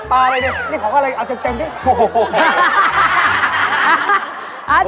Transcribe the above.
ปลาอะไรเนี่ยนี่ของอะไรเอาเจ็บเต็มเจ็บเนี่ย